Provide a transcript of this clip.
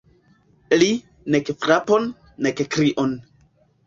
Li: nek frapon, nek krion.